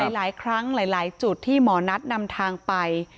หลายครั้งหลายจุดที่หมอนัทนำทางไป